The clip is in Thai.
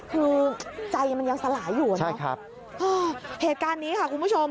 คือใจมันยังสลายอยู่อะเนาะเหตุการณ์นี้ค่ะคุณผู้ชม